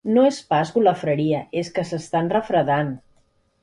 No és pas golafreria, és que s'estan refredant.